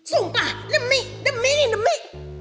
sumpah demi demi demi